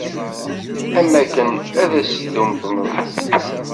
Am akken ad s-tdum temẓi-w.